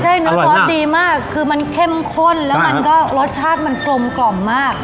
ใช่เนื้อซอสดีมากคือมันเข้มข้นแล้วมันก็รสชาติมันกลมกล่อมมาก